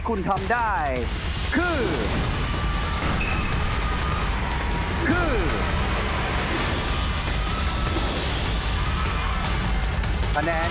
๒๘๒คะแนน